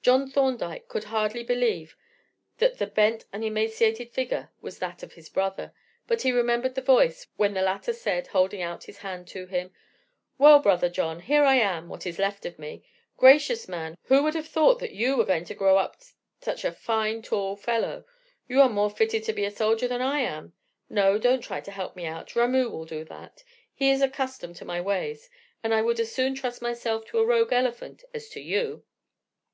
John Thorndyke could hardly believe that the bent and emaciated figure was that of his brother, but he remembered the voice when the latter said, holding out his hand to him: "Well, brother John, here I am, what is left of me. Gracious, man, who would have thought that you were going to grow up such a fine tall fellow? You are more fitted to be a soldier than I am. No, don't try to help me out; Ramoo will do that he is accustomed to my ways, and I would as soon trust myself to a rogue elephant as to you."